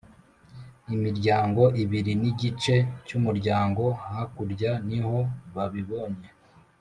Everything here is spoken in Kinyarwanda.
imiryango ibiri n igice cy umuryango hakurya nibo babibonye